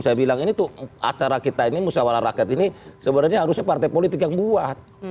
saya bilang ini tuh acara kita ini musyawarah rakyat ini sebenarnya harusnya partai politik yang buat